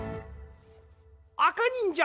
あかにんじゃ！